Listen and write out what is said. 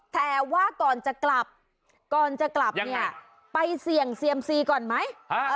แต่ว่าก่อนจะกลับไปเสี่ยงเซียมซีก่อนไหม